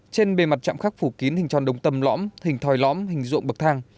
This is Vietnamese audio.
trên bề mặt chạm khắc phủ kín hình tròn đồng tầm lõm hình thòi lõm hình ruộng bậc thang